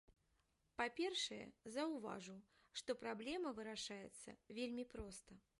Па-першае, заўважу, што праблема вырашаецца вельмі проста.